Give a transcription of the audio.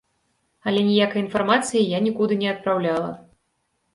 Але ніякай інфармацыі я нікуды не адпраўляла.